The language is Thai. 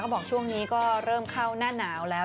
บอกช่วงนี้ก็เริ่มเข้าหน้าหนาวแล้ว